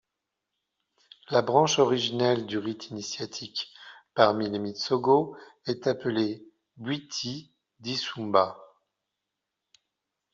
La branche originelle du rite initiatique parmi les Mitsogo est appelée Bwiti Dissumba.